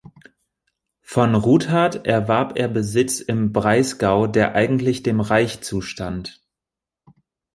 Von Ruthard erwarb er Besitz im Breisgau, der eigentlich dem Reich zustand.